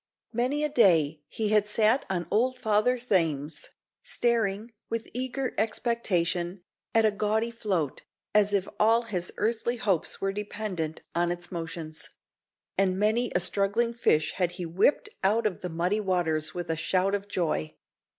Many a day had he sat on old Father Thames, staring, with eager expectation, at a gaudy float, as if all his earthly hopes were dependent on its motions; and many a struggling fish had he whipped out of the muddy waters with a shout of joy.